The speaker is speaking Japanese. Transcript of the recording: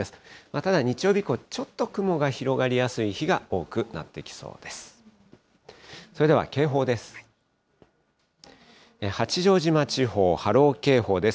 ただ日曜日以降、ちょっと雲が広がりやすい日が多くなってきそうです。